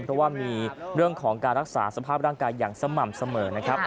เพราะว่ามีเรื่องของการรักษาสภาพร่างกายอย่างสม่ำเสมอนะครับ